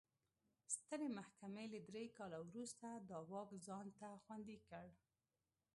سترې محکمې له درې کال وروسته دا واک ځان ته خوندي کړ.